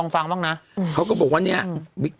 ฟังพระสวด